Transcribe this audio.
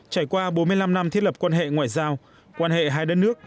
trải qua bốn mươi năm năm thiết lập quan hệ ngoại giao quan hệ hai đất nước